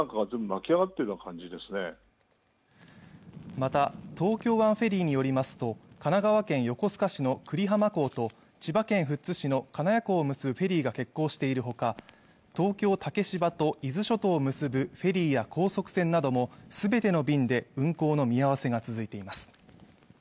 また東京湾フェリーによりますと神奈川県横須賀市の久里浜港と千葉県富津市の金谷港を結ぶフェリーが欠航しているほか東京・竹芝と伊豆諸島を結ぶフェリーや高速船などもすべての便で運航の見合わせが続いています